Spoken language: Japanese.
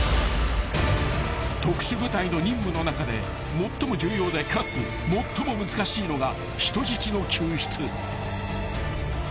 ［特殊部隊の任務の中で最も重要でかつ最も難しいのが人質の救出］